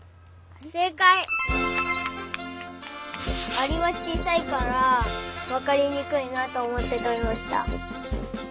アリはちいさいからわかりにくいなとおもってとりました。